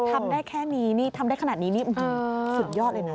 ทำได้แค่นี้นี่ทำได้ขนาดนี้นี่สุดยอดเลยนะ